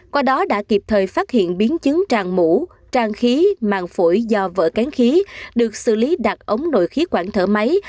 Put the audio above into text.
qua đó đã kịp thời phát hiện biến chứng tràn mũ tràn khí màng phổi do vỡ cánh khí được xử lý đặt ống nội khí quản thở máy